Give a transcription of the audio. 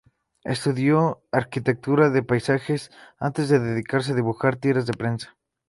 Estudió arquitectura de paisajes antes de dedicarse a dibujar tiras de prensa.